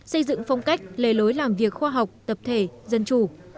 xây dựng phong cách lề lối làm việc khoa học tập thể dân chủ